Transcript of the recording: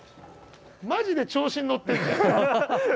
マジで調子に乗ってるじゃん。